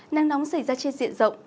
nắng nóng xảy ra trên diện rộng